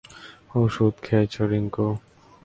ওষুধ খেয়েছো, রিংকু?